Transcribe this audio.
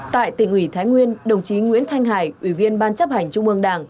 tại tỉnh ủy thái nguyên đồng chí nguyễn thanh hải ủy viên ban chấp hành trung ương đảng